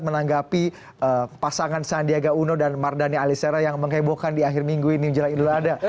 menanggapi pasangan sandiaga uno dan mardani alisera yang menghebohkan di akhir minggu ini menjelang ini dulu ada